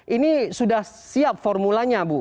ini sudah siap formulanya bu